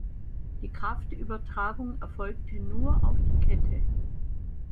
Die Kraftübertragung erfolgte nur auf die Kette.